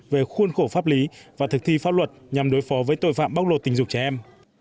về khuôn khổ pháp lý và thực thi pháp luật nhằm đối phó với tội phạm bóc lột tình dục trẻ em